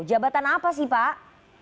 jabatan apa sih pak